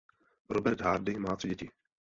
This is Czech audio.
Robert Hardy má tři děti.